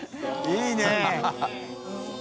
いいね。